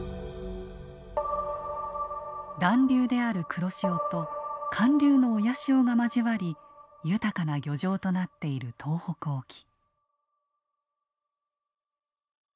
暖流である黒潮と寒流の親潮が交わり豊かな漁場となっている東北沖。